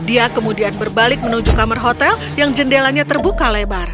dia kemudian berbalik menuju kamar hotel yang jendelanya terbuka lebar